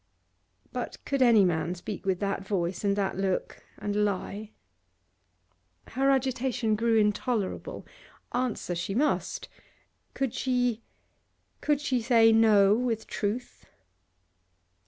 But could any man speak with that voice and that look, and lie? Her agitation grew intolerable. Answer she must; could she, could she say 'No' with truth?